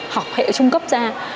học hệ trung cấp ra